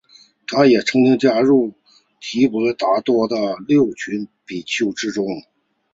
他也曾加入提婆达多的六群比丘之中。